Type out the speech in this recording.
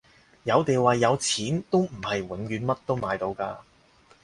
有地位有錢都唔係永遠乜都買到㗎